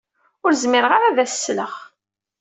Ur zmireɣ ara ad as-sleɣ.